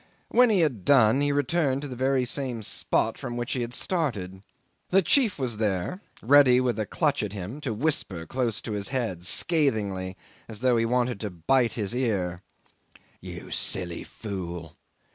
When he had done he returned to the very same spot from which he had started. The chief was there, ready with a clutch at him to whisper close to his head, scathingly, as though he wanted to bite his ear '"You silly fool!